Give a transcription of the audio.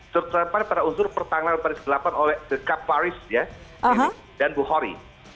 terutama pada usur pertanggalan paris viii oleh kap paris dan buhari